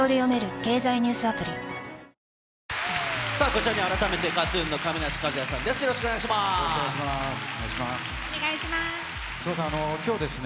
こちらには、改めてＫＡＴーＴＵＮの亀梨和也さんです。